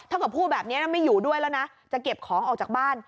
กับพูดแบบนี้ไม่อยู่ด้วยแล้วนะจะเก็บของออกจากบ้าน